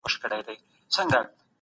پخوا خلګو فقر د تقدیر برخه ګڼله.